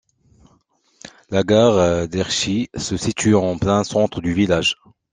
La gare d'Herchies se situe en plein centre du village.